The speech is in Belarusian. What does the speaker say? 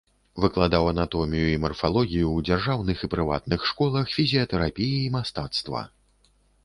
Выкладаў анатомію і марфалогію ў дзяржаўных і прыватных школах фізіятэрапіі і мастацтва.